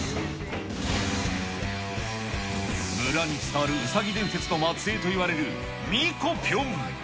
村に伝わるうさぎ伝説の末えいといわれるミコぴょん。